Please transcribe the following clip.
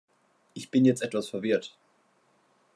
Ich bin jetzt etwas verwirrt.